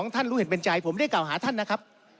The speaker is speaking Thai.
ท่านรู้เห็นเป็นใจผมได้กล่าวหาท่านนะครับ